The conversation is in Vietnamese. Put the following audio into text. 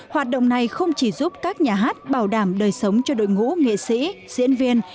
hoạt động này không chỉ giúp các nhà hát bảo đảm đời sống cho đội ngũ nghệ sĩ diễn viên